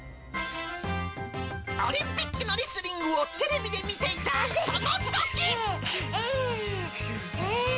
オリンピックのレスリングをテレビで見ていたそのとき。